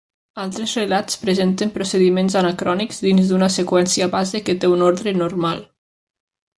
Altres relats presenten procediments anacrònics dins d'una seqüència base que té un ordre normal.